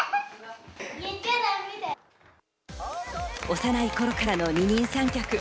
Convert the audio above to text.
幼い頃からのニ人三脚。